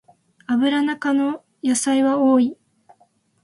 アブラナ科の野菜は多い